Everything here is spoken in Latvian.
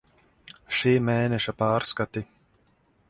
Šī mēneša pārskati.